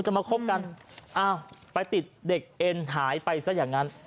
มาคบกันอ้าวไปติดเด็กเอ็นหายไปซะอย่างนั้น